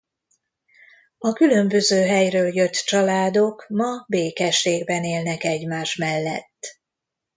A különböző helyről jött családok ma békességben élnek egymás mellett.